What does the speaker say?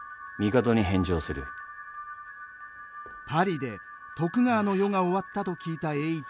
パリで徳川の世が終わったと聞いた栄一。